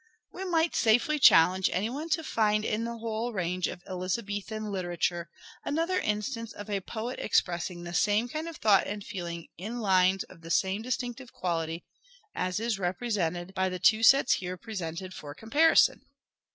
We might safely challenge any one to find in the whole range of Elizabethan literature another instance of a poet expressing the same kind of thought and feeling in lines of the same distinctive quality as is represented i88 " SHAKESPEARE " IDENTIFIED by the two sets here presented for comparison.